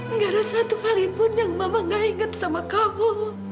nggak ada satu kalipun yang mama gak inget sama kamu